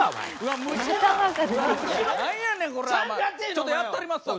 ちょっとやったりますわ。